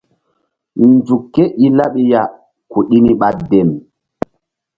Nzuk ke i laɓi ya ku ɗi ni ɓa dem.